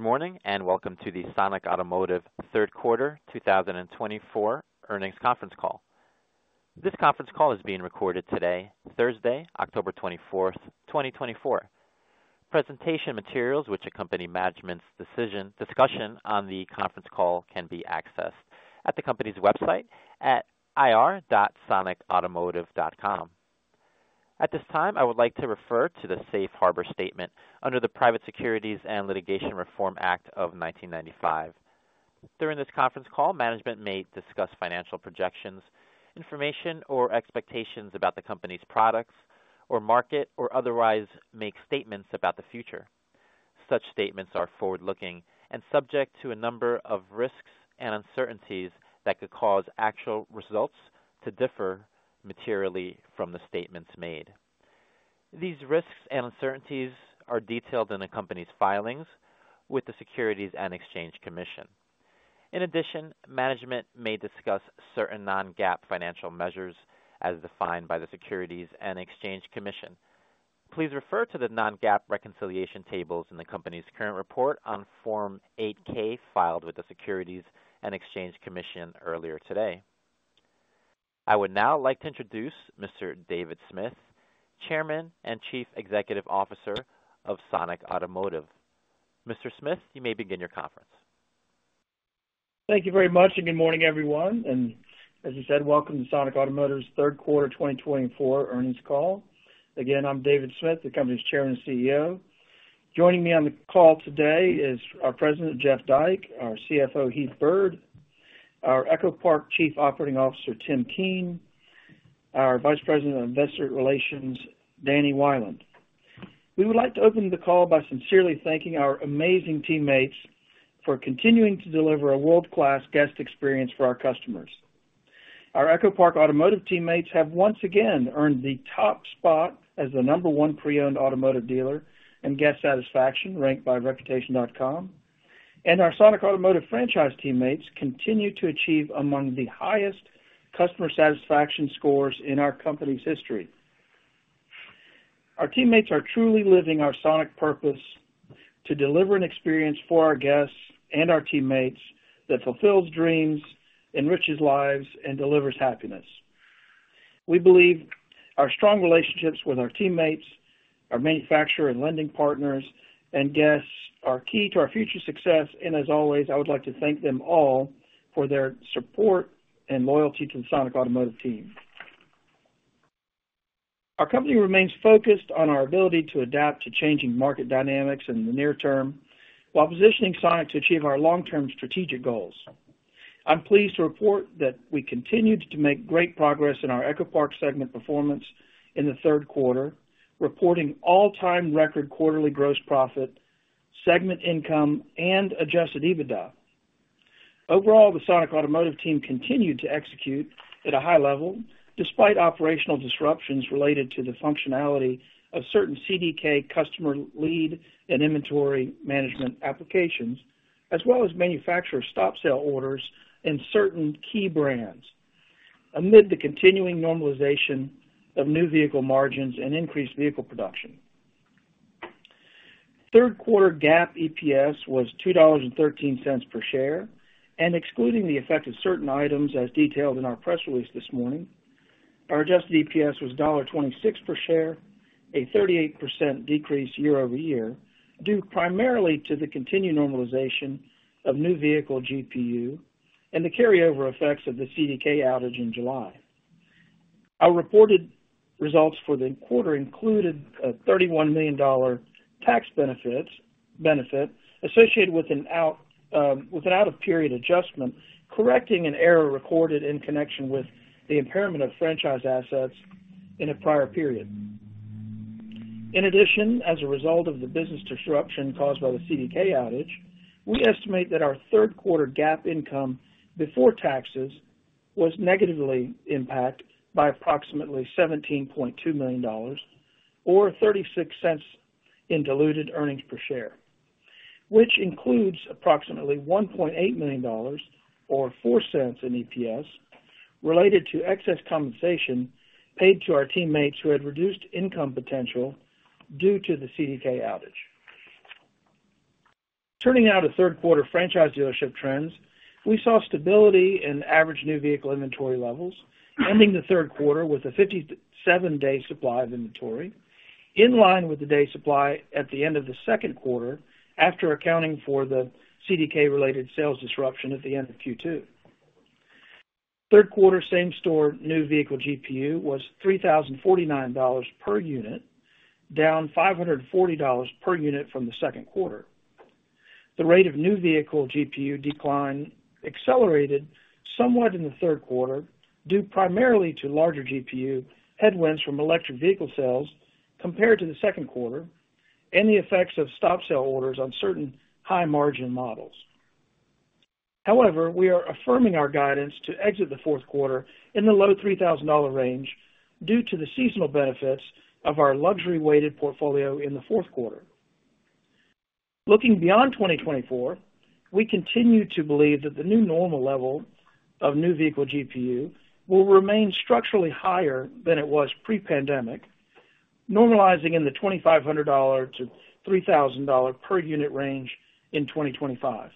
Good morning, and welcome to the Sonic Automotive third quarter two 2024 earnings conference call. This conference call is being recorded today, Thursday, October 24th, 2024. Presentation materials which accompany management's discussion on the conference call can be accessed at the company's website at ir.sonicautomotive.com. At this time, I would like to refer to the Safe Harbor statement under the Private Securities and Litigation Reform Act of 1995. During this conference call, management may discuss financial projections, information or expectations about the company's products or market, or otherwise make statements about the future. Such statements are forward-looking and subject to a number of risks and uncertainties that could cause actual results to differ materially from the statements made. These risks and uncertainties are detailed in the company's filings with the Securities and Exchange Commission. In addition, management may discuss certain non-GAAP financial measures as defined by the Securities and Exchange Commission. Please refer to the non-GAAP reconciliation tables in the company's current report on Form 8-K, filed with the Securities and Exchange Commission earlier today. I would now like to introduce Mr. David Smith, Chairman and Chief Executive Officer of Sonic Automotive. Mr. Smith, you may begin your conference. Thank you very much, and good morning, everyone, and as you said, welcome to Sonic Automotive's third quarter 2024 earnings call. Again, I'm David Smith, the company's Chairman and CEO. Joining me on the call today is our President, Jeff Dyke, our CFO, Heath Byrd, our EchoPark Chief Operating Officer, Tim Keane, our Vice President of Investor Relations, Danny Wieland. We would like to open the call by sincerely thanking our amazing teammates for continuing to deliver a world-class guest experience for our customers. Our EchoPark Automotive teammates have once again earned the top spot as the number one pre-owned automotive dealer in guest satisfaction, ranked by Reputation.com, and our Sonic Automotive franchise teammates continue to achieve among the highest customer satisfaction scores in our company's history. Our teammates are truly living our Sonic purpose to deliver an experience for our guests and our teammates that fulfills dreams, enriches lives, and delivers happiness. We believe our strong relationships with our teammates, our manufacturer and lending partners, and guests are key to our future success, and as always, I would like to thank them all for their support and loyalty to the Sonic Automotive team. Our company remains focused on our ability to adapt to changing market dynamics in the near term, while positioning Sonic to achieve our long-term strategic goals. I'm pleased to report that we continued to make great progress in our EchoPark segment performance in the third quarter, reporting all-time record quarterly gross profit, segment income, and adjusted EBITDA. Overall, the Sonic Automotive team continued to execute at a high level, despite operational disruptions related to the functionality of certain CDK customer lead and inventory management applications, as well as manufacturer stop-sale orders in certain key brands, amid the continuing normalization of new vehicle margins and increased vehicle production. Third quarter GAAP EPS was $2.13 per share, and excluding the effect of certain items, as detailed in our press release this morning, our adjusted EPS was $1.26 per share, a 38% decrease year-over-year, due primarily to the continued normalization of new vehicle GPU and the carryover effects of the CDK outage in July. Our reported results for the quarter included a $31 million tax benefit associated with an out-of-period adjustment, correcting an error recorded in connection with the impairment of franchise assets in a prior period. In addition, as a result of the business disruption caused by the CDK outage, we estimate that our third quarter GAAP income before taxes was negatively impacted by approximately $17.2 million or $0.36 in diluted earnings per share, which includes approximately $1.8 million or $0.04 in EPS, related to excess compensation paid to our teammates who had reduced income potential due to the CDK outage. Turning now to third quarter franchise dealership trends, we saw stability in average new vehicle inventory levels, ending the third quarter with a 57-day supply of inventory, in line with the day supply at the end of the second quarter, after accounting for the CDK-related sales disruption at the end of Q2. Third quarter same-store new vehicle GPU was $3,049 per unit, down $540 per unit from the second quarter. The rate of new vehicle GPU decline accelerated somewhat in the third quarter, due primarily to larger GPU headwinds from electric vehicle sales compared to the second quarter and the effects of stop-sale orders on certain high-margin models. However, we are affirming our guidance to exit the fourth quarter in the low $3,000 range due to the seasonal benefits of our luxury-weighted portfolio in the fourth quarter. Looking beyond 2024, we continue to believe that the new normal level of new vehicle GPU will remain structurally higher than it was pre-pandemic, normalizing in the $2,500-$3,000 per unit range in 2025.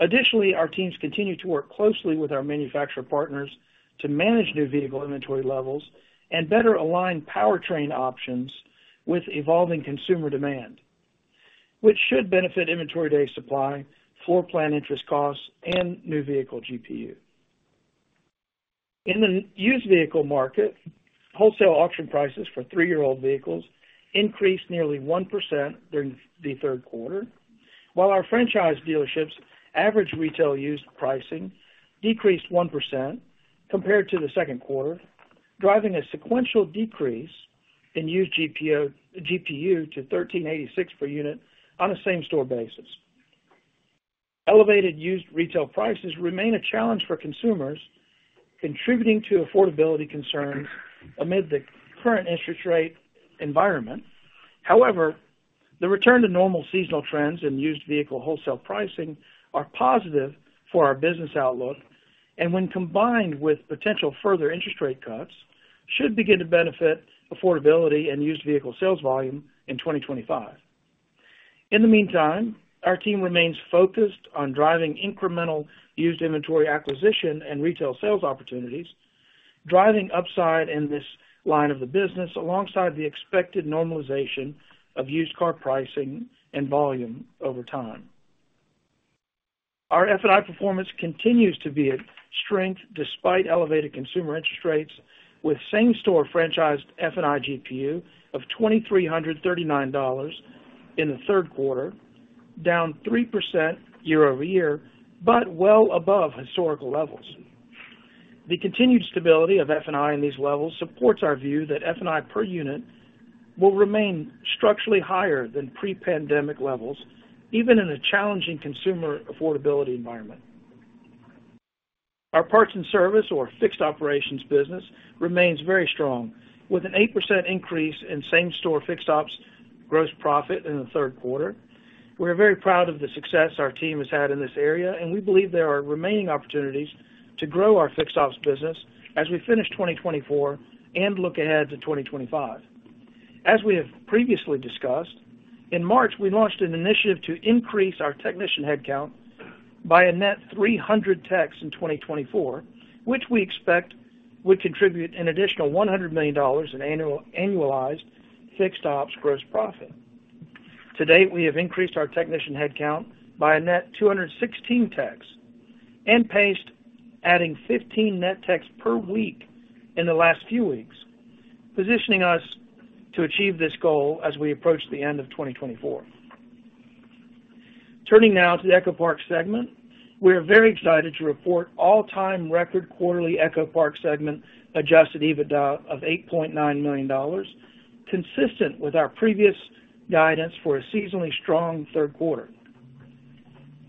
Additionally, our teams continue to work closely with our manufacturer partners to manage new vehicle inventory levels and better align powertrain options with evolving consumer demand, which should benefit inventory day supply, floor plan interest costs, and new vehicle GPU. In the used vehicle market, wholesale auction prices for three-year-old vehicles increased nearly 1% during the third quarter, while our franchise dealerships average retail used pricing decreased 1% compared to the second quarter, driving a sequential decrease in used GPU to $1,386 per unit on a same-store basis. Elevated used retail prices remain a challenge for consumers, contributing to affordability concerns amid the current interest rate environment. However, the return to normal seasonal trends in used vehicle wholesale pricing are positive for our business outlook, and when combined with potential further interest rate cuts, should begin to benefit affordability and used vehicle sales volume in 2025. In the meantime, our team remains focused on driving incremental used inventory acquisition and retail sales opportunities, driving upside in this line of the business, alongside the expected normalization of used car pricing and volume over time. Our F&I performance continues to be a strength despite elevated consumer interest rates, with same-store franchised F&I GPU of $2,339 in the third quarter, down 3% year-over-year, but well above historical levels. The continued stability of F&I in these levels supports our view that F&I per unit will remain structurally higher than pre-pandemic levels, even in a challenging consumer affordability environment. Our parts and service, or fixed operations business, remains very strong, with an 8% increase in same store fixed ops gross profit in the third quarter. We are very proud of the success our team has had in this area, and we believe there are remaining opportunities to grow our fixed ops business as we finish 2024 and look ahead to 2025. As we have previously discussed, in March, we launched an initiative to increase our technician headcount by a net 300 techs in 2024, which we expect would contribute an additional $100 million in annualized fixed ops gross profit. To date, we have increased our technician headcount by a net 216 techs and paced, adding 15 net techs per week in the last few weeks, positioning us to achieve this goal as we approach the end of 2024. Turning now to the EchoPark segment. We are very excited to report all-time record quarterly EchoPark segment Adjusted EBITDA of $8.9 million, consistent with our previous guidance for a seasonally strong third quarter.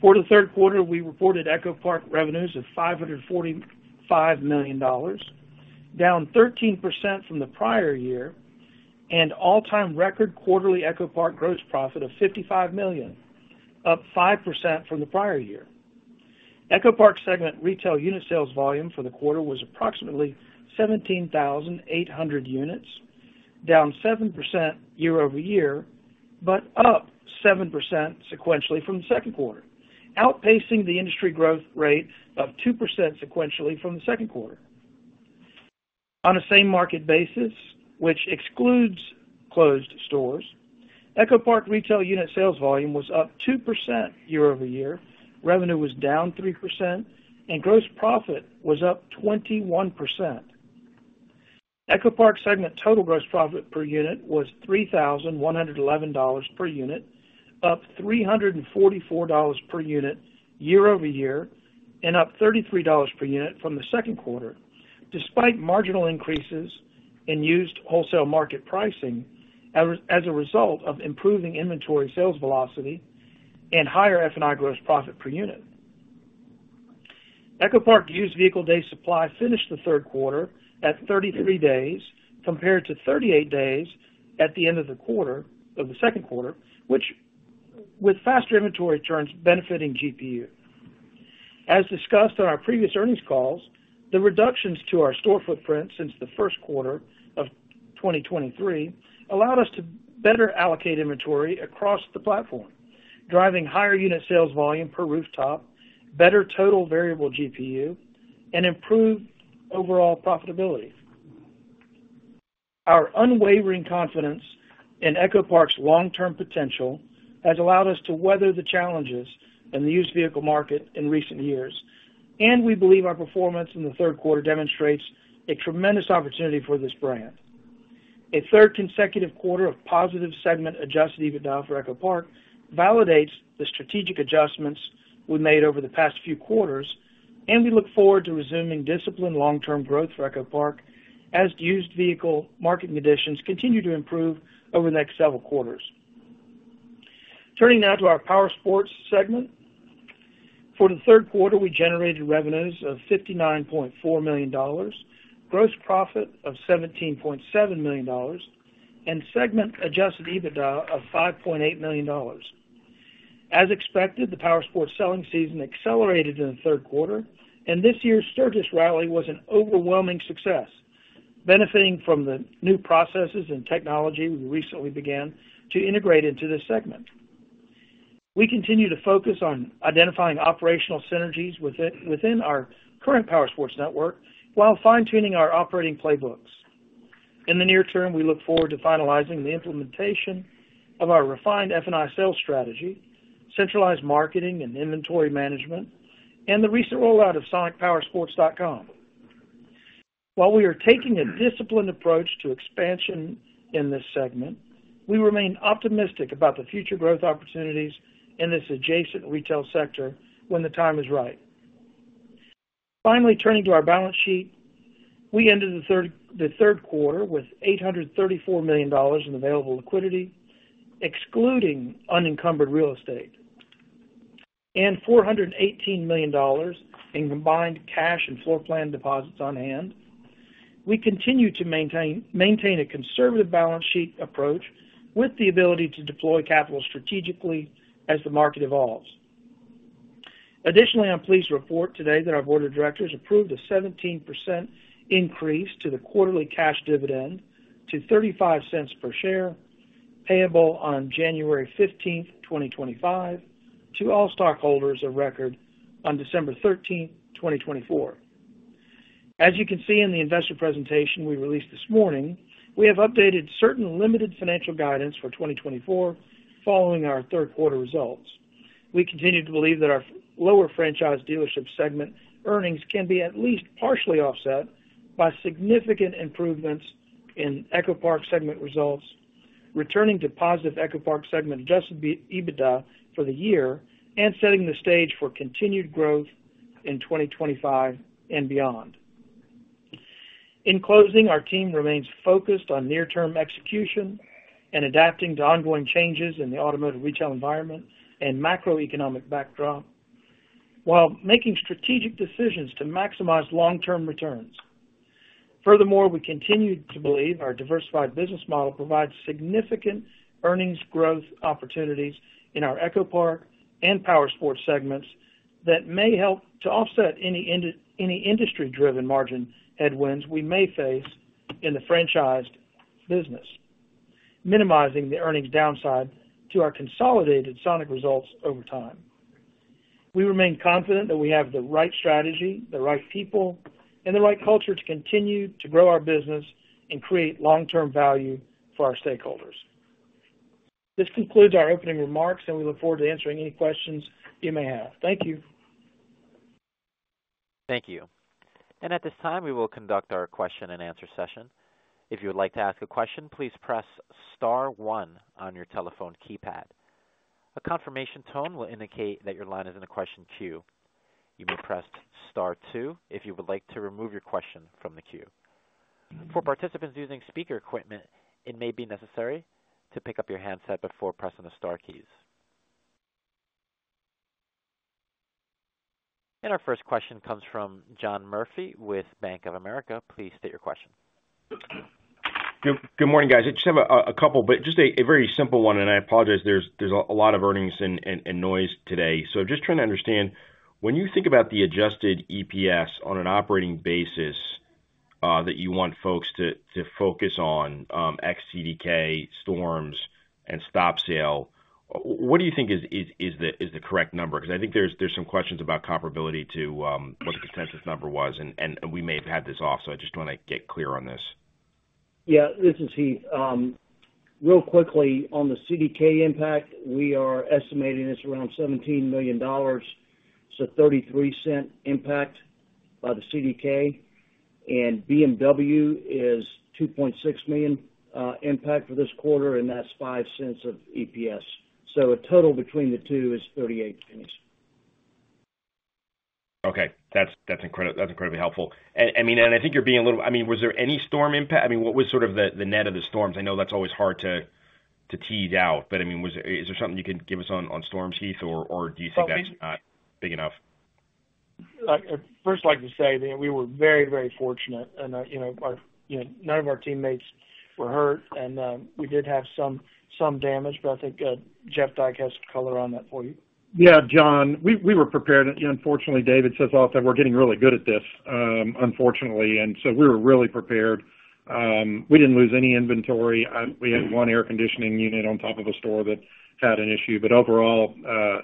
For the third quarter, we reported EchoPark revenues of $545 million, down 13% from the prior year, and all-time record quarterly EchoPark gross profit of $55 million, up 5% from the prior year. EchoPark segment retail unit sales volume for the quarter was approximately 17,800 units, down 7% year-over-year, but up 7% sequentially from the second quarter, outpacing the industry growth rate of 2% sequentially from the second quarter. On a same market basis, which excludes closed stores, EchoPark retail unit sales volume was up 2% year-over-year, revenue was down 3%, and gross profit was up 21%. EchoPark segment total gross profit per unit was $3,111 per unit, up $344 per unit year-over-year, and up $33 per unit from the second quarter, despite marginal increases in used wholesale market pricing, as a result of improving inventory sales velocity and higher F&I gross profit per unit. EchoPark used vehicle day supply finished the third quarter at 33 days, compared to 38 days at the end of the second quarter, which, with faster inventory turns, benefited GPU. As discussed on our previous earnings calls, the reductions to our store footprint since the first quarter of 2023 allowed us to better allocate inventory across the platform, driving higher unit sales volume per rooftop, better total variable GPU, and improved overall profitability. Our unwavering confidence in EchoPark's long-term potential has allowed us to weather the challenges in the used vehicle market in recent years, and we believe our performance in the third quarter demonstrates a tremendous opportunity for this brand. A third consecutive quarter of positive segment Adjusted EBITDA for EchoPark validates the strategic adjustments we made over the past few quarters, and we look forward to resuming disciplined long-term growth for EchoPark as used vehicle market conditions continue to improve over the next several quarters. Turning now to our Powersports segment. For the third quarter, we generated revenues of $59.4 million, gross profit of $17.7 million, and segment-adjusted EBITDA of $5.8 million. As expected, the Powersports selling season accelerated in the third quarter, and this year's Sturgis Rally was an overwhelming success, benefiting from the new processes and technology we recently began to integrate into this segment. We continue to focus on identifying operational synergies within our current Powersports network, while fine-tuning our operating playbooks. In the near term, we look forward to finalizing the implementation of our refined F&I sales strategy, centralized marketing and inventory management, and the recent rollout of sonicpowersports.com. While we are taking a disciplined approach to expansion in this segment, we remain optimistic about the future growth opportunities in this adjacent retail sector when the time is right. Finally, turning to our balance sheet. We ended the third quarter with $834 million in available liquidity, excluding unencumbered real estate, and $418 million in combined cash and floorplan deposits on hand. We continue to maintain a conservative balance sheet approach with the ability to deploy capital strategically as the market evolves. Additionally, I'm pleased to report today that our board of directors approved a 17% increase to the quarterly cash dividend to $0.35 per share, payable on January 15th, 2025, to all stockholders of record on December 13th, 2024. As you can see in the investor presentation we released this morning, we have updated certain limited financial guidance for 2024 following our third quarter results. We continue to believe that our lower Franchised Dealership segment earnings can be at least partially offset by significant improvements in EchoPark segment results, returning to positive EchoPark segment adjusted EBITDA for the year and setting the stage for continued growth in 2025 and beyond. In closing, our team remains focused on near-term execution and adapting to ongoing changes in the automotive retail environment and macroeconomic backdrop, while making strategic decisions to maximize long-term returns. Furthermore, we continue to believe our diversified business model provides significant earnings growth opportunities in our EchoPark and Powersports segments that may help to offset any industry-driven margin headwinds we may face in the franchised business, minimizing the earnings downside to our consolidated Sonic results over time. We remain confident that we have the right strategy, the right people, and the right culture to continue to grow our business and create long-term value for our stakeholders. This concludes our opening remarks, and we look forward to answering any questions you may have. Thank you. Thank you. And at this time, we will conduct our question-and-answer session. If you would like to ask a question, please press star one on your telephone keypad. A confirmation tone will indicate that your line is in the question queue. You may press star two if you would like to remove your question from the queue. For participants using speaker equipment, it may be necessary to pick up your handset before pressing the star keys. And our first question comes from John Murphy with Bank of America. Please state your question. Good morning, guys. I just have a couple, but just a very simple one, and I apologize there's a lot of earnings and noise today. So just trying to understand, when you think about the adjusted EPS on an operating basis that you want folks to focus on, ex-CDK, storms, and stop sale, what do you think is the correct number? Because I think there's some questions about comparability to what the consensus number was, and we may have had this off, so I just want to get clear on this. Yeah, this is Heath. Real quickly, on the CDK impact, we are estimating it's around $17 million, so $0.33 impact by the CDK. And BMW is $2.6 million impact for this quarter, and that's $0.05 of EPS. So a total between the two is $0.38. Okay. That's incredibly helpful. I mean, was there any storm impact? I mean, what was sort of the net of the storms? I know that's always hard to tease out, but I mean, is there something you can give us on storms, Heath, or do you think that's not big enough? I'd first like to say that we were very, very fortunate and none of our teammates were hurt, and we did have some damage, but I think Jeff Dyke has color on that for you. Yeah, John, we were prepared. Unfortunately, David says often, we're getting really good at this, unfortunately, and so we were really prepared. We didn't lose any inventory. We had one air conditioning unit on top of a store that had an issue, but overall,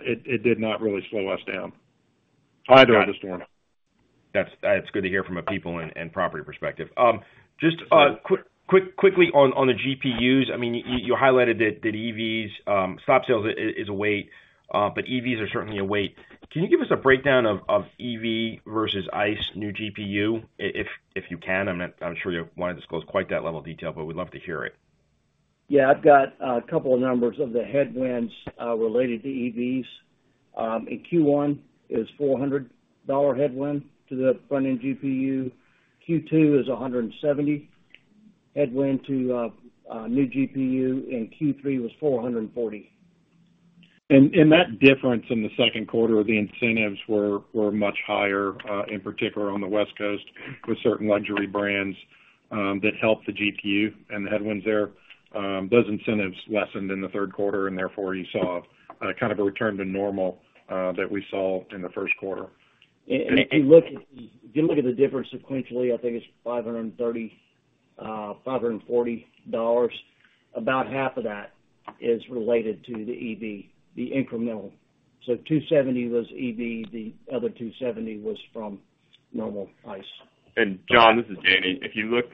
it did not really slow us down, either of the storm. That's good to hear from a people and property perspective. Just quickly on the GPUs. I mean, you highlighted that EVs stop sales is a weight, but EVs are certainly a weight. Can you give us a breakdown of EV versus ICE new GPU, if you can? I'm sure you don't want to disclose quite that level of detail, but we'd love to hear it. Yeah. I've got a couple of numbers of the headwinds related to EVs. In Q1 is a $400 headwind to the front-end GPU. Q2 is a $170 headwind to new GPU, and Q3 was $440. That difference in the second quarter, the incentives were much higher, in particular on the West Coast, with certain luxury brands, that helped the GPU and the headwinds there. Those incentives lessened in the third quarter, and therefore, you saw kind of a return to normal that we saw in the first quarter. If you look at the difference sequentially, I think it's $530, $540. About half of that is related to the EV, the incremental. So $270 was EV, the other $270 was from normal price. And John, this is Danny. If you look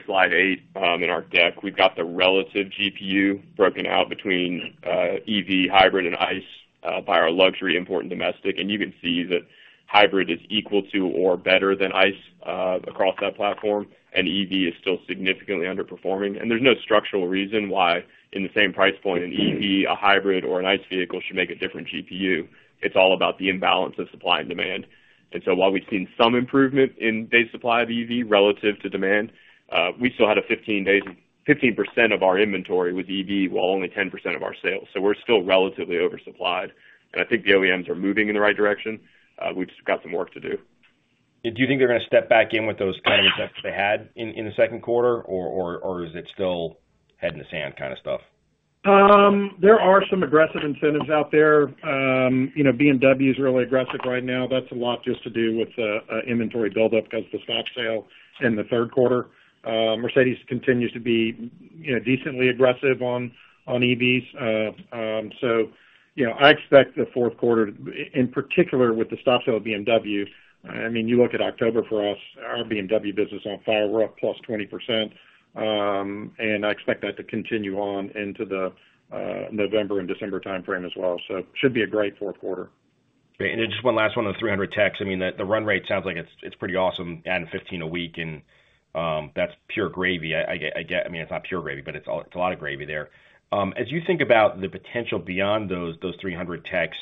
at slide eight in our deck, we've got the relative GPU broken out between EV, hybrid, and ICE by luxury, import, domestic. You can see that hybrid is equal to or better than ICE across that platform, and EV is still significantly underperforming. There's no structural reason why, in the same price point, an EV, a hybrid or an ICE vehicle should make a different GPU. It's all about the imbalance of supply and demand. So while we've seen some improvement in days supply of EV relative to demand, we still had 15% of our inventory with EV, while only 10% of our sales. We're still relatively oversupplied, and I think the OEMs are moving in the right direction. We've just got some work to do. Do you think they're going to step back in with those kind of incentives they had in the second quarter, or is it still head in the sand kind of stuff? There are some aggressive incentives out there. You know, BMW is really aggressive right now. That's a lot just to do with inventory buildup because of the stop sale in the third quarter. Mercedes continues to be, you know, decently aggressive on EVs. So, you know, I expect the fourth quarter, in particular, with the stop sale at BMW. I mean, you look at October for us, our BMW business is on fire. We're up plus 20%. And I expect that to continue on into the November and December timeframe as well. So should be a great fourth quarter. Okay. And just one last one on the 300 techs. I mean, the run rate sounds like it's pretty awesome, adding 15 a week, and that's pure gravy. I get... I mean, it's not pure gravy, but it's a lot of gravy there. As you think about the potential beyond those 300 techs,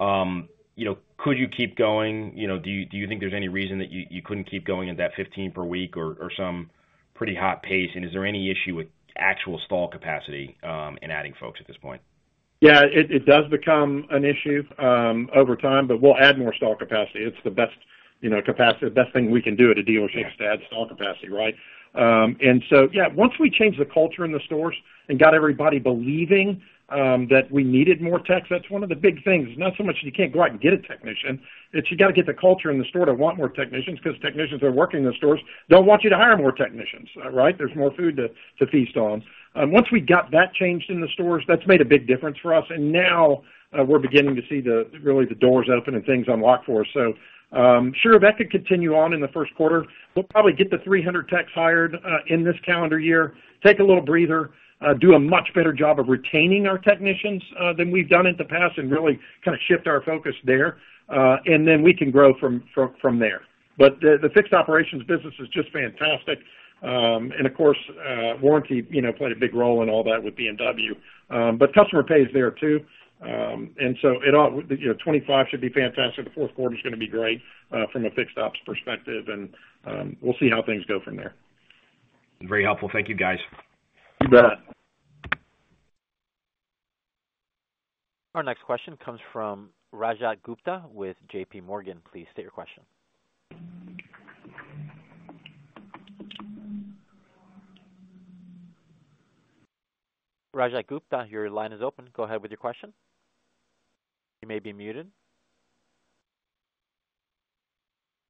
you know, could you keep going? You know, do you think there's any reason that you couldn't keep going at that 15 per week or some pretty hot pace? And is there any issue with actual stall capacity in adding folks at this point? Yeah, it does become an issue over time, but we'll add more stall capacity. It's the best, you know, capacity, the best thing we can do at a dealership is to add stall capacity, right? And so, yeah, once we change the culture in the stores and got everybody believing that we needed more techs, that's one of the big things. It's not so much that you can't go out and get a technician. It's you got to get the culture in the store to want more technicians, because technicians are working in the stores, they'll want you to hire more technicians, right? There's more food to feast on. Once we got that changed in the stores, that's made a big difference for us, and now we're beginning to see really the doors open and things unlock for us. So, sure, that could continue on in the first quarter. We'll probably get the 300 techs hired in this calendar year, take a little breather, do a much better job of retaining our technicians than we've done in the past, and really kind of shift our focus there, and then we can grow from there. But the fixed operations business is just fantastic. And of course, warranty, you know, played a big role in all that with BMW. But customer pay is there, too. And so it all, you know, 2025 should be fantastic. The fourth quarter is going to be great from a fixed ops perspective, and we'll see how things go from there. Very helpful. Thank you, guys. You bet. Our next question comes from Rajat Gupta with JPMorgan. Please state your question. Rajat Gupta, your line is open. Go ahead with your question. You may be muted.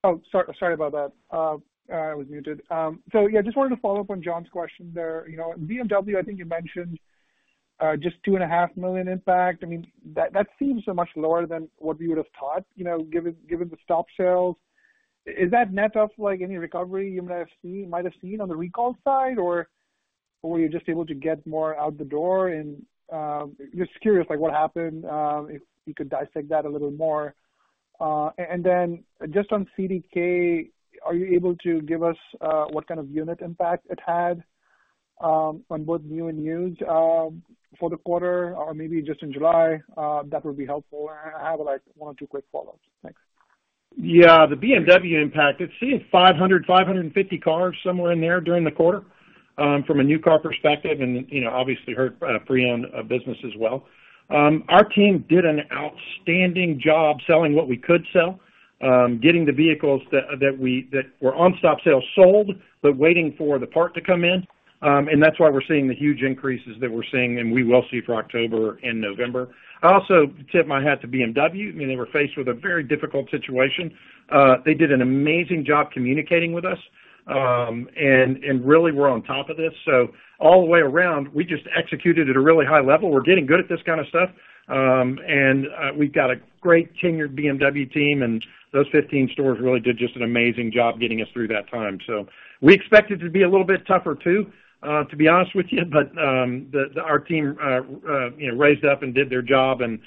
Oh, sorry, sorry about that. I was muted. So yeah, just wanted to follow up on John's question there. You know, BMW, I think you mentioned just $2.5 million impact. I mean, that seems so much lower than what we would have thought, you know, given the stop sales. Is that net of, like, any recovery you might have seen on the recall side, or were you just able to get more out the door? And just curious, like, what happened if you could dissect that a little more. And then just on CDK, are you able to give us what kind of unit impact it had on both new and used for the quarter or maybe just in July? That would be helpful. And I have, like, one or two quick follow-ups. Thanks. Yeah, the BMW impact, it's seen 500-550 cars, somewhere in there, during the quarter, from a new car perspective and, you know, obviously, hurt pre-owned business as well. Our team did an outstanding job selling what we could sell, getting the vehicles that we were on stop-sale sold, but waiting for the part to come in. And that's why we're seeing the huge increases that we're seeing, and we will see for October and November. I also tip my hat to BMW. I mean, they were faced with a very difficult situation. They did an amazing job communicating with us, and really were on top of this. So all the way around, we just executed at a really high level. We're getting good at this kind of stuff, and we've got a great tenured BMW team, and those 15 stores really did just an amazing job getting us through that time. So we expect it to be a little bit tougher, too, to be honest with you, but our team, you know, raised up and did their job, and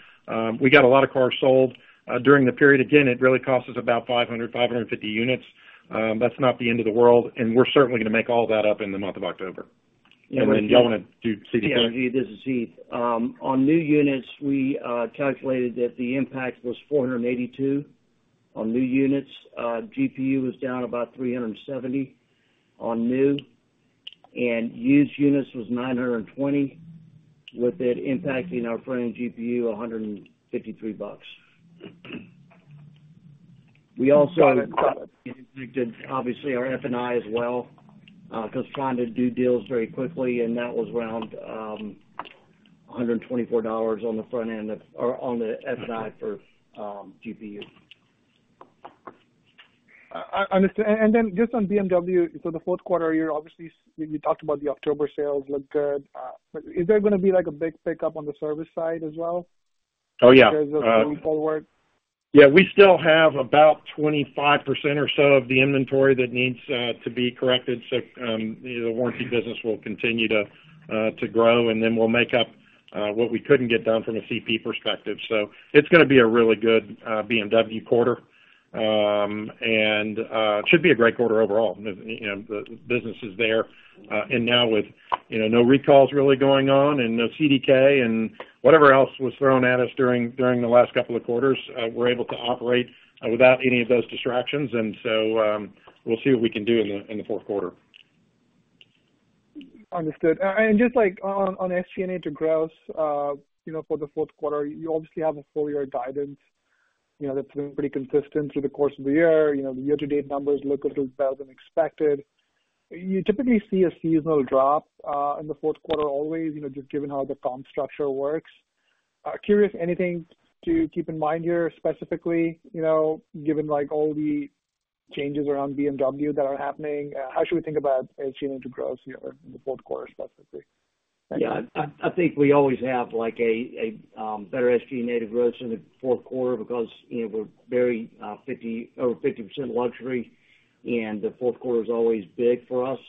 we got a lot of cars sold during the period. Again, it really cost us about 550 units. That's not the end of the world, and we're certainly going to make all that up in the month of October. And then y'all want to do CDK? Yeah, this is Heath. On new units, we calculated that the impact was $482 on new units. GPU was down about $370 on new, and used units was $920, with it impacting our F&I GPU $153. We also got impacted, obviously, our F&I as well, because trying to do deals very quickly, and that was around $124 on the front end of- or on the F&I for GPU. I understand. And then just on BMW, so the fourth quarter, you're obviously, you talked about the October sales looked good. But is there gonna be, like, a big pickup on the service side as well? Oh, yeah. As you go forward. Yeah, we still have about 25% or so of the inventory that needs to be corrected. So the warranty business will continue to grow, and then we'll make up what we couldn't get done from a CP perspective. So it's gonna be a really good BMW quarter. And it should be a great quarter overall. You know, the business is there, and now with, you know, no recalls really going on and no CDK and whatever else was thrown at us during the last couple of quarters, we're able to operate without any of those distractions, and so we'll see what we can do in the fourth quarter. Understood. And just like on SG&A to gross, you know, for the fourth quarter, you obviously have a full year guidance, you know, that's been pretty consistent through the course of the year. You know, the year-to-date numbers look a little better than expected. You typically see a seasonal drop in the fourth quarter always, you know, just given how the comp structure works. Curious, anything to keep in mind here, specifically, you know, given, like, all the changes around BMW that are happening, how should we think about SG&A to gross, you know, in the fourth quarter, specifically? Yeah, I think we always have, like, a better SG&A to growth in the fourth quarter because, you know, we're very, over 50% luxury, and the fourth quarter is always big for us.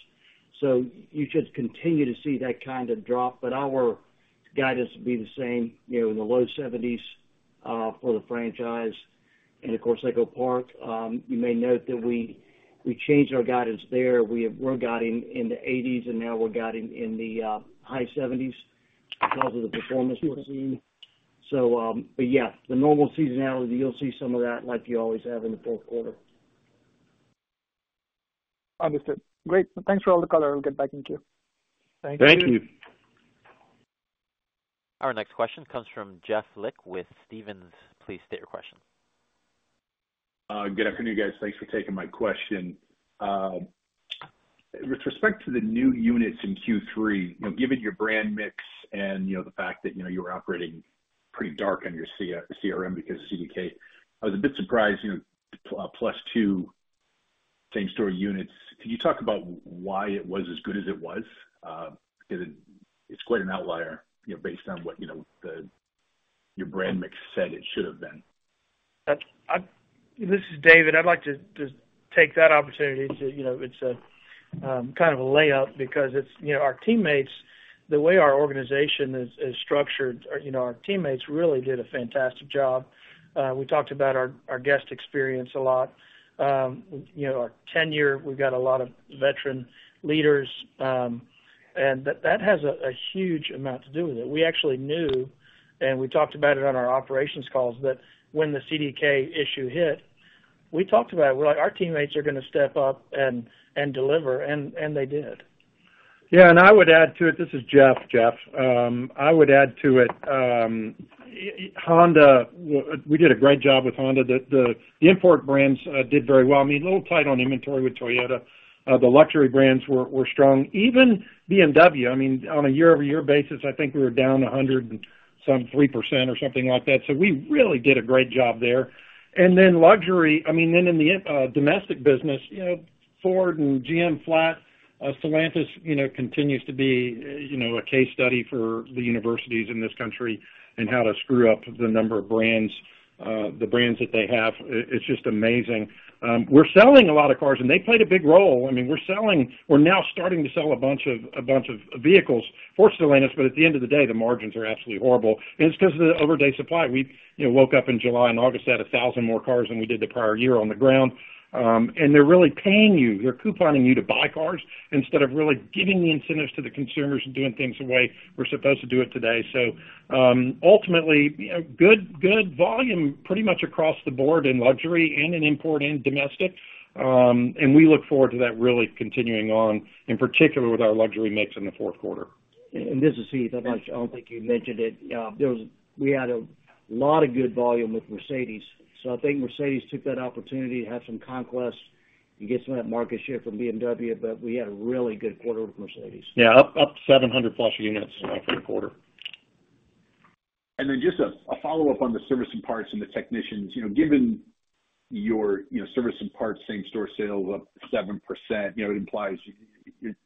So you should continue to see that kind of drop, but our guidance would be the same, you know, in the low 70s%, for the franchise and of course, EchoPark. You may note that we changed our guidance there. We're guiding in the 80s%, and now we're guiding in the high 70s% because of the performance we're seeing. Yeah, the normal seasonality, you'll see some of that, like you always have in the fourth quarter. Understood. Great. Thanks for all the color. I'll get back in queue. Thank you. Thank you. Our next question comes from Jeff Lick with Stephens. Please state your question. Good afternoon, guys. Thanks for taking my question. With respect to the new units in Q3, you know, given your brand mix and, you know, the fact that, you know, you were operating pretty dark on your CRM because of CDK, I was a bit surprised, you know, +2 same-store units. Can you talk about why it was as good as it was? Because it, it's quite an outlier, you know, based on what, you know, the, your brand mix said it should have been. This is David. I'd like to take that opportunity to, you know, it's kind of a layup because it's, you know, our teammates, the way our organization is structured, you know, our teammates really did a fantastic job. We talked about our guest experience a lot. You know, our tenure, we've got a lot of veteran leaders, and that has a huge amount to do with it. We actually knew, and we talked about it on our operations calls, that when the CDK issue hit, we talked about it. We're like, "Our teammates are gonna step up and deliver," and they did. Yeah, and I would add to it. This is Jeff. I would add to it, Honda, we did a great job with Honda. The import brands did very well. I mean, a little tight on inventory with Toyota. The luxury brands were strong. Even BMW, I mean, on a year-over-year basis, I think we were down 103% or something like that. So we really did a great job there. And then luxury, I mean, then in the domestic business, you know, Ford and GM, flat. Stellantis, you know, continues to be, you know, a case study for the universities in this country in how to screw up the number of brands, the brands that they have. It's just amazing. We're selling a lot of cars, and they played a big role. I mean, we're selling. We're now starting to sell a bunch of, a bunch of vehicles for Stellantis, but at the end of the day, the margins are absolutely horrible. And it's because of the over day supply. We, you know, woke up in July and August, had 1,000 more cars than we did the prior year on the ground. And they're really paying you. They're couponing you to buy cars instead of really giving the incentives to the consumers and doing things the way we're supposed to do it today. So, ultimately, you know, good, good volume pretty much across the board in luxury and in import and domestic. And we look forward to that really continuing on, in particular with our luxury mix in the fourth quarter. And this is Heath. I'm not sure. I don't think you mentioned it. We had a lot of good volume with Mercedes, so I think Mercedes took that opportunity to have some conquest and get some of that market share from BMW, but we had a really good quarter with Mercedes. Yeah, up 700+ units for the quarter. And then just a follow-up on the service and parts and the technicians. You know, given your service and parts same-store sales up 7%, you know, it implies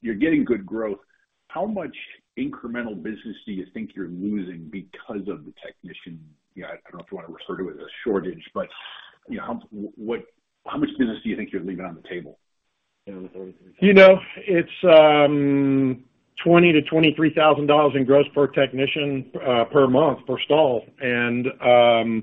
you're getting good growth. How much incremental business do you think you're losing because of the technician? You know, I don't know if you want to refer to it as a shortage, but, you know, how much business do you think you're leaving on the table? You know, it's $20,000-$23,000 in gross per technician per month per stall. You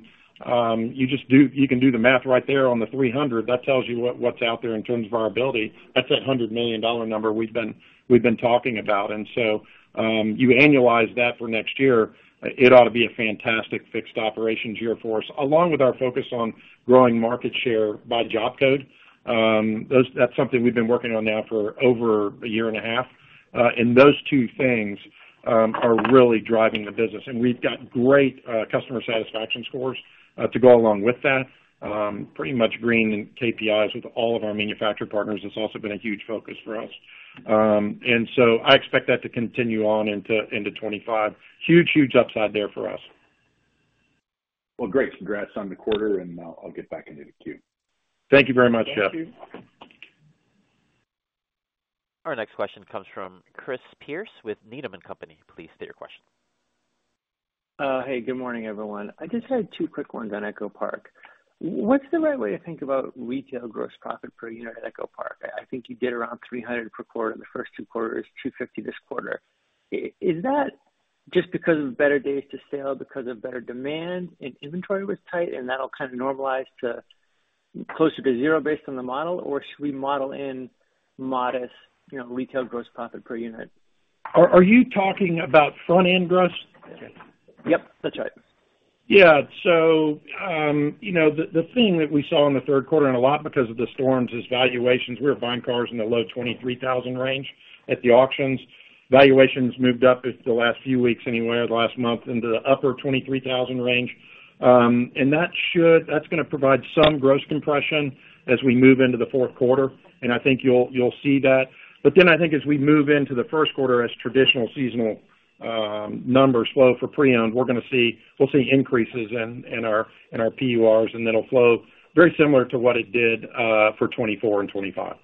just do... You can do the math right there on the $300 million. That tells you what, what's out there in terms of our ability. That's that hundred million dollar number we've been talking about. And so, you annualize that for next year, it ought to be a fantastic fixed operations year for us, along with our focus on growing market share by job code. That's something we've been working on now for over a year and a half. And those two things are really driving the business. And we've got great customer satisfaction scores to go along with that. Pretty much green KPIs with all of our manufacturer partners. It's also been a huge focus for us. And so I expect that to continue on into 2025. Huge, huge upside there for us. Well, great. Congrats on the quarter, and, I'll get back into the queue. Thank you very much, Jeff. Our next question comes from Chris Pierce with Needham & Company. Please state your question. Hey, good morning, everyone. I just had two quick ones on EchoPark. What's the right way to think about retail gross profit per unit at EchoPark? I think you did around $300 per quarter in the first two quarters, $250 this quarter. Is that just because of better days supply, because of better demand and inventory was tight, and that'll kind of normalize to closer to zero based on the model? Or should we model in modest, you know, retail gross profit per unit? Are you talking about front-end gross? Yep, that's right. Yeah, so you know, the theme that we saw in the third quarter, and a lot because of the storms, is valuations. We were buying cars in the low $23,000 range at the auctions. Valuations moved up just the last few weeks, anywhere the last month, into the upper $23,000 range. And that should. That's gonna provide some gross compression as we move into the fourth quarter, and I think you'll, you'll see that. But then I think as we move into the first quarter, as traditional seasonal numbers flow for pre-owned, we're gonna see. We'll see increases in our GPUs, and it'll flow very similar to what it did for 2024 and 2025.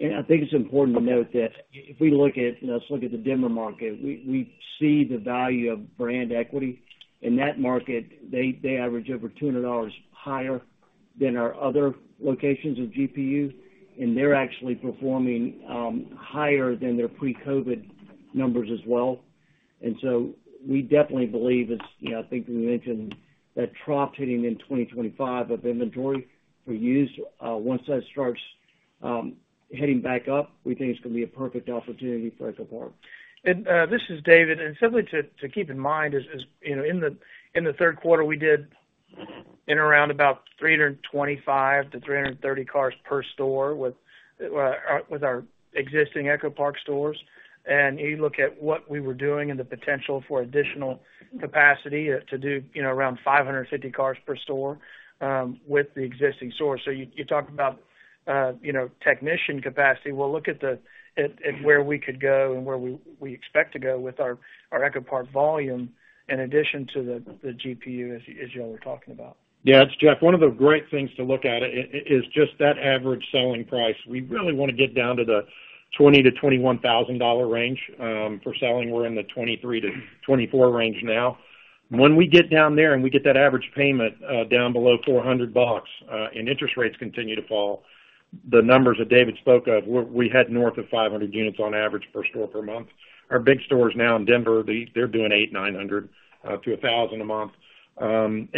And I think it's important to note that if we look at, you know, let's look at the Denver market, we see the value of brand equity. In that market, they average over 200 higher than our other locations of GPU, and they're actually performing higher than their pre-COVID numbers as well. And so we definitely believe it's, you know, I think we mentioned that trough hitting in 2025 of inventory for used. Once that starts heading back up, we think it's gonna be a perfect opportunity for EchoPark. This is David, and simply to keep in mind is, you know, in the third quarter, we did around about 325-330 cars per store with our existing EchoPark stores. You look at what we were doing and the potential for additional capacity to do, you know, around 550 cars per store with the existing stores. So you talk about, you know, technician capacity. Look at where we could go and where we expect to go with our EchoPark volume, in addition to the GPU, as you all were talking about. Yeah, it's Jeff. One of the great things to look at is just that average selling price. We really want to get down to the $20,000-$21,000 range for selling. We're in the $23,000-$24,000 range now. When we get down there and we get that average payment down below $400 and interest rates continue to fall, the numbers that David spoke of, we had north of 500 units on average per store per month. Our big stores now in Denver, they're doing 800-900 to 1,000 a month. And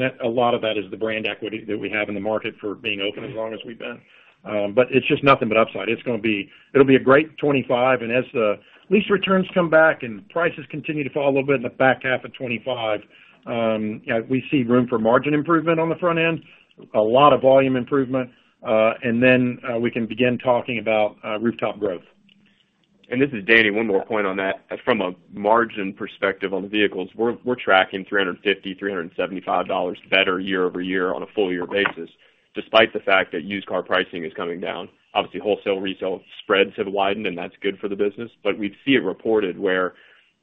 that, a lot of that is the brand equity that we have in the market for being open as long as we've been. But it's just nothing but upside. It's gonna be... It'll be a great 2025, and as the lease returns come back and prices continue to fall a little bit in the back half of 2025, we see room for margin improvement on the front end, a lot of volume improvement, and then we can begin talking about rooftop growth. This is Danny. One more point on that. From a margin perspective on the vehicles, we're tracking $350-$375 better year-over-year on a full year basis, despite the fact that used car pricing is coming down. Obviously, wholesale, retail spreads have widened, and that's good for the business. We see it reported where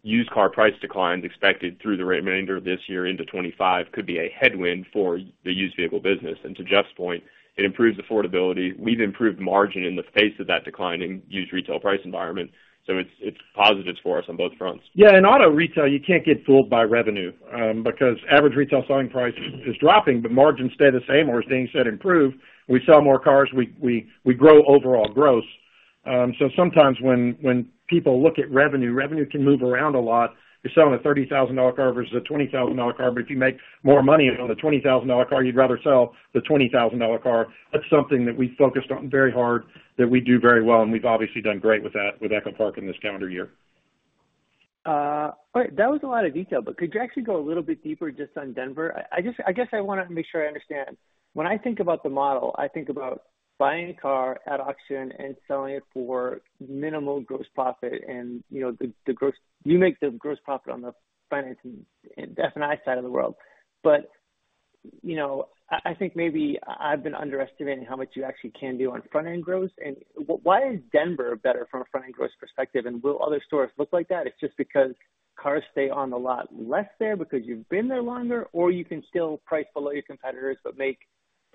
used car price declines expected through the remainder of this year into 2025 could be a headwind for the used vehicle business. To Jeff's point, it improves affordability. We've improved margin in the face of that decline in used retail price environment, so it's positives for us on both fronts. Yeah, in auto retail, you can't get fooled by revenue, because average retail selling price is dropping, but margins stay the same or, as Danny said, improve. We sell more cars, we grow overall gross. So sometimes when people look at revenue, revenue can move around a lot. You're selling a $30,000 car versus a $20,000 car, but if you make more money on the $20,000 car, you'd rather sell the $20,000 car. That's something that we focused on very hard, that we do very well, and we've obviously done great with that, with EchoPark in this calendar year. All right. That was a lot of detail, but could you actually go a little bit deeper just on Denver? I, I just, I guess I want to make sure I understand. When I think about the model, I think about buying a car at auction and selling it for minimal gross profit, and, you know, the, the gross-- you make the gross profit on the finance and F&I side of the world. But, you know, I, I think maybe I've been underestimating how much you actually can do on front-end gross. And why is Denver better from a front-end gross perspective, and will other stores look like that? It's just because cars stay on the lot less there, because you've been there longer, or you can still price below your competitors but make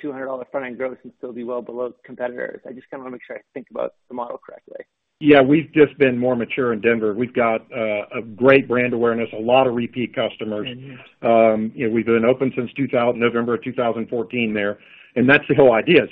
$200 front-end gross and still be well below competitors? I just kind of want to make sure I think about the model correctly. Yeah, we've just been more mature in Denver. We've got a great brand awareness, a lot of repeat customers. Mm-hmm. You know, we've been open since November of 2014 there, and that's the whole idea, is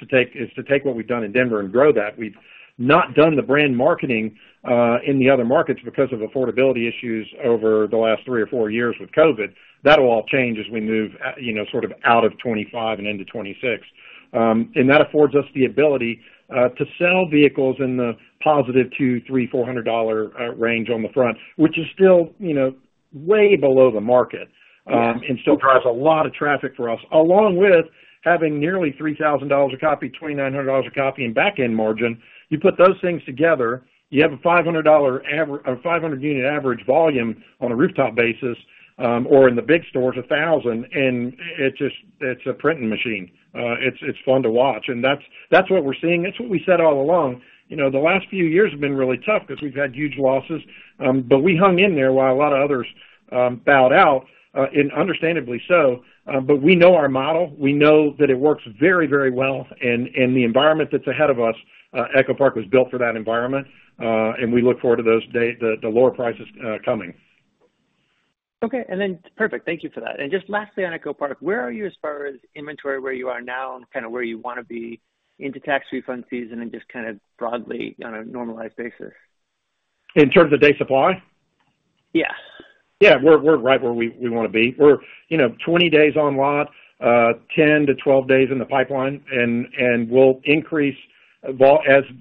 to take what we've done in Denver and grow that. We've not done the brand marketing in the other markets because of affordability issues over the last three or four years with COVID. That will all change as we move, you know, sort of out of 2025 and into 2026. And that affords us the ability to sell vehicles in the +$200 to +$400 range on the front, which is still, you know, way below the market, and still drives a lot of traffic for us, along with having nearly $3,000 a copy, $2,900 a copy in back-end margin. You put those things together, you have a 500-unit average volume on a rooftop basis, or in the big stores, 1,000, and it's just, it's a printing machine. It's fun to watch, and that's what we're seeing. That's what we said all along. You know, the last few years have been really tough because we've had huge losses, but we hung in there while a lot of others bowed out, and understandably so. But we know our model. We know that it works very, very well in the environment that's ahead of us. EchoPark was built for that environment, and we look forward to the lower prices coming. Okay, and then, perfect. Thank you for that. And just lastly, on EchoPark, where are you as far as inventory, where you are now and kind of where you want to be into tax refund season and just kind of broadly on a normalized basis? In terms of day supply? Yes. Yeah, we're right where we want to be. We're, you know, 20 days on lot, 10-12 days in the pipeline, and we'll increase as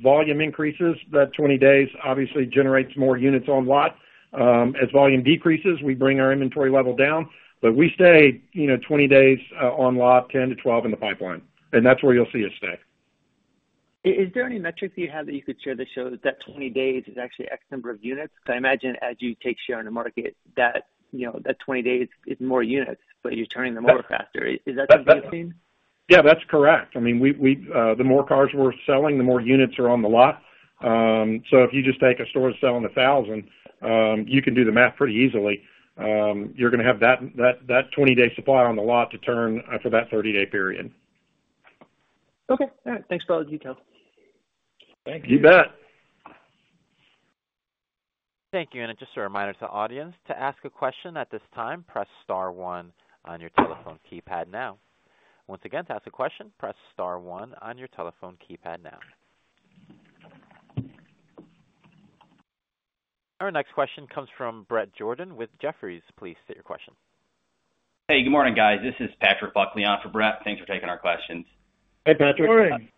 volume increases, that 20 days obviously generates more units on lot. As volume decreases, we bring our inventory level down, but we stay, you know, 20 days on lot, 10-12 in the pipeline, and that's where you'll see us stay. Is there any metrics you have that you could share that shows that 20 days is actually X number of units? Because I imagine as you take share in the market, that, you know, that 20 days is more units, but you're turning them over faster. Is that the theme? Yeah, that's correct. I mean, the more cars we're selling, the more units are on the lot. So if you just take a store selling 1,000, you can do the math pretty easily. You're gonna have that 20-day supply on the lot to turn for that 30-day period. Okay. All right. Thanks for all the detail. Thank you. You bet. Thank you. And just a reminder to the audience, to ask a question at this time, press star one on your telephone keypad now. Once again, to ask a question, press star one on your telephone keypad now. Our next question comes from Bret Jordan with Jefferies. Please state your question. Hey, good morning, guys. This is Patrick Buckley on for Brett. Thanks for taking our questions. Hey, Patrick. Good morning.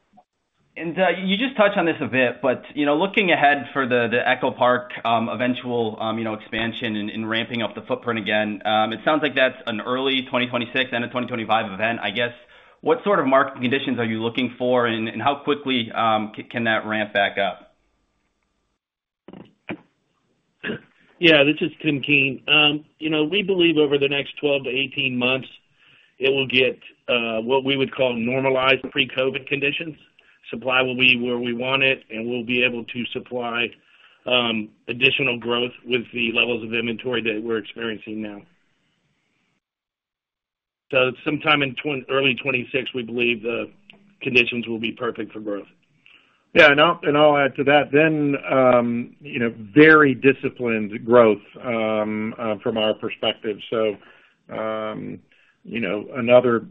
And, you just touched on this a bit, but, you know, looking ahead for the EchoPark eventual, you know, expansion and ramping up the footprint again, it sounds like that's an early 2026 and a 2025 event. I guess, what sort of market conditions are you looking for and how quickly can that ramp back up? Yeah, this is Tim Keane. You know, we believe over the next 12-18 months, it will get what we would call normalized pre-COVID conditions. Supply will be where we want it, and we'll be able to supply additional growth with the levels of inventory that we're experiencing now. So sometime in early 2026, we believe the conditions will be perfect for growth. Yeah, and I'll add to that. Then, you know, very disciplined growth from our perspective. So, you know,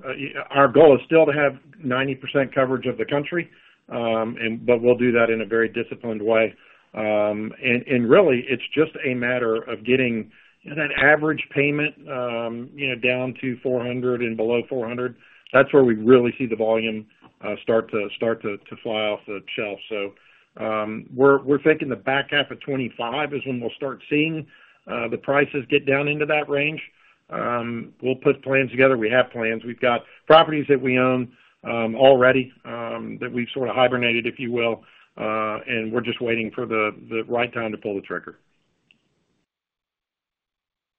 our goal is still to have 90% coverage of the country, and, but we'll do that in a very disciplined way. And really, it's just a matter of getting that average payment, you know, down to 400 and below 400. That's where we really see the volume start to fly off the shelf. So, we're thinking the back half of 2025 is when we'll start seeing the prices get down into that range. We'll put plans together. We have plans. We've got properties that we own already that we've sort of hibernated, if you will, and we're just waiting for the right time to pull the trigger.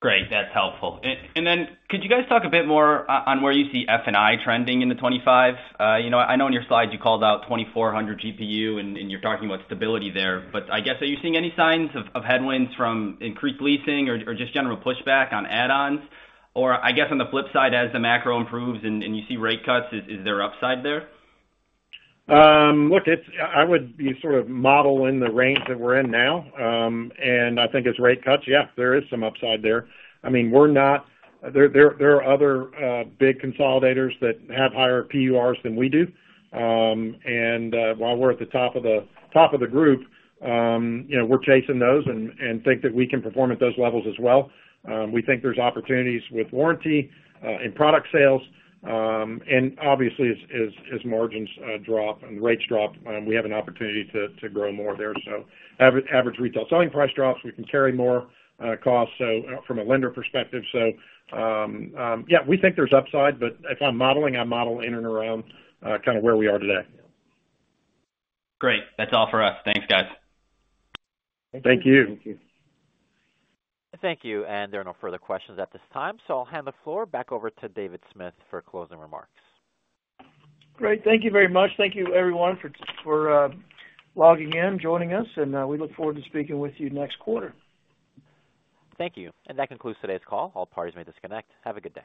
Great. That's helpful. And then could you guys talk a bit more on where you see F&I trending in the 2025? You know, I know in your slides you called out $2,400 GPU, and you're talking about stability there, but I guess, are you seeing any signs of headwinds from increased leasing or just general pushback on add-ons? Or I guess on the flip side, as the macro improves and you see rate cuts, is there upside there? Look, it's. I would be sort of modeling the range that we're in now. And I think as rate cuts, yeah, there is some upside there. I mean, we're not there. There are other big consolidators that have higher PURs than we do. And while we're at the top of the group, you know, we're chasing those and think that we can perform at those levels as well. We think there's opportunities with warranty in product sales, and obviously, as margins drop and rates drop, we have an opportunity to grow more there. So average retail selling price drops, we can carry more costs, so from a lender perspective. So, yeah, we think there's upside, but if I'm modeling, I model in and around, kind of where we are today. Great. That's all for us. Thanks, guys. Thank you. Thank you. Thank you, and there are no further questions at this time, so I'll hand the floor back over to David Smith for closing remarks. Great. Thank you very much. Thank you, everyone, for logging in, joining us, and we look forward to speaking with you next quarter. Thank you. And that concludes today's call. All parties may disconnect. Have a good day.